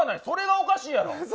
それがおかしいやろ！